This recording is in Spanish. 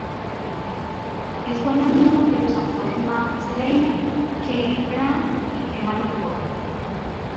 Es buen amigo de los actores Matt Cedeño, Kyle Brandt y Eva Longoria.